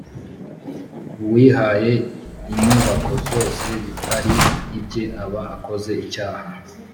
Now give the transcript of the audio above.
uwihaye inyubako zose bitari ibye aba akoze icyaha